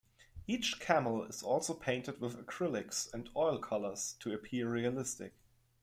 Each camel is also painted with acrylics and oil colors to appear realistic.